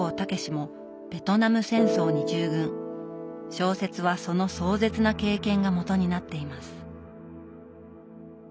小説はその壮絶な経験がもとになっています。